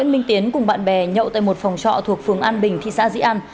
phòng trọ thuộc phường an bình thị xã dĩ an